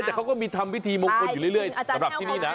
แต่เขาก็มีทำพิธีมงคลอยู่เรื่อยสำหรับที่นี่นะ